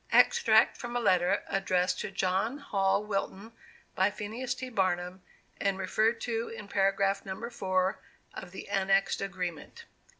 Extract from a Letter addressed to John Hall Wilton by PHINEAS T. BARNUM, _and referred to in paragraph No. 4 of the annexed agreement.